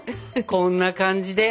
こんな感じで！